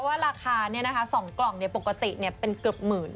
ว่าราคา๒กล่องปกติเป็นเกือบหมื่น